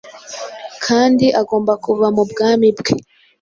kandi agomba kuva mubwami bwe